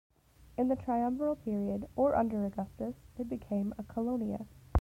In the triumviral period or under Augustus it became a colonia.